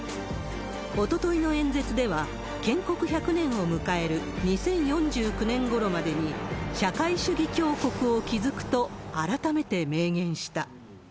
おとといの演説では、建国１００年を迎える２０４９年ごろまでに、社会主義強国を築くと改めて明言した。